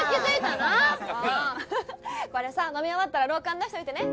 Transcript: もうこれさ飲み終わったら廊下に出しといてね